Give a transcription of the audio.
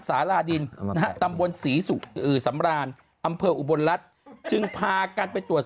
สาลาดินตำบลศรีศูอืดสำราณอำเภออุบลรัฐพระเศษที่พากันไปตรวจ